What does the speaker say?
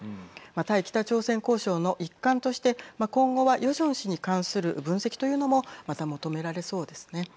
対北朝鮮交渉の一環として今後は、ヨジョン氏に関する分析というのもまた求められそうですね。